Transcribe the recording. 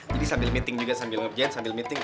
jadi sambil meeting juga sambil ngerjain sambil meeting